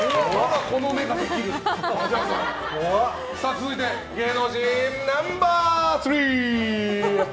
続いて、芸能人ナンバー３。